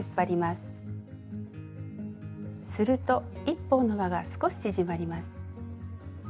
すると１本のわが少し縮まります。